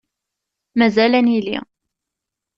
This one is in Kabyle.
Mazal ad nili.